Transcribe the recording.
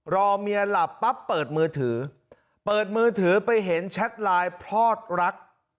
รอเมียหลับปั๊บเปิดมือถือเปิดมือถือไปเห็นแชทไลน์พลอดรัก